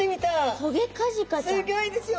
すギョいですよ！